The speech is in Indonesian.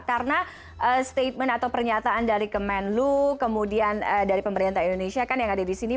karena statement atau pernyataan dari kemenlu kemudian dari pemerintah indonesia kan yang ada di sini